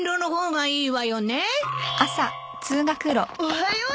おはよう！